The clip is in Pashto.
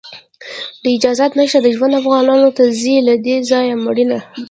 اجازت نشته د ژوند، افغانانو ته ځي له دې ځایه مړینه